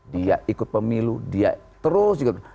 dia ikut pemilu dia terus ikut pemilu